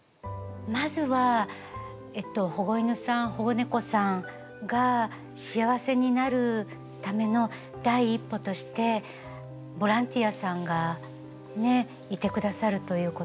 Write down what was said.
まずは保護犬さん保護猫さんが幸せになるための第一歩としてボランティアさんがねいてくださるということ。